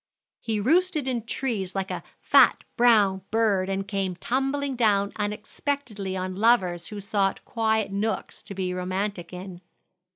He roosted in trees like a fat brown bird, and came tumbling down unexpectedly on lovers who sought quiet nooks to be romantic in.